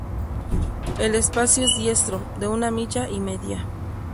El espacio es diestro, de una milla y media.